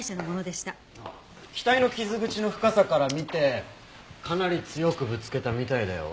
額の傷口の深さから見てかなり強くぶつけたみたいだよ。